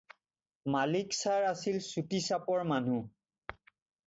মালিক চাৰ আছিল চুটি চাপৰ মানুহ।